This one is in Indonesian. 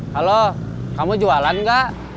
halo kamu jualan gak